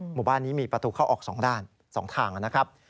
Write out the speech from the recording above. หมู่บ้านนี้มีประตูเข้าออก๒ด้าน๒ทางนะครับ